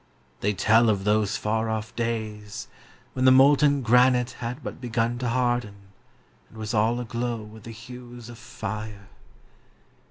They tell of those far off days when the molten granite had but begun to harden, and was all aglow with the hues of fire.